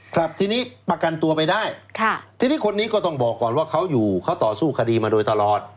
ครับทีนี้ประกันตัวไปได้ทีนี้คนนี้ก็ต้องบอกก่อนว่าเขาอยู่เขาต่อสู้คดีมาโดยตลอด